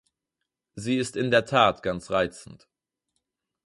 Sie ist in der Tat ganz reizend.